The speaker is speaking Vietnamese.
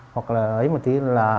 hoặc là ấy một tí là